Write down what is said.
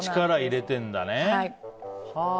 力入れてるんだね。